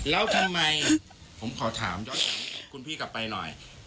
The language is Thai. แล้วทำไมผมขอถามย้อนหลังคุณพี่กลับไปหน่อย